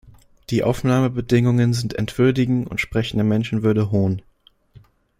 Die Aufnahmebedingungen sind entwürdigend und sprechen der Menschenwürde Hohn.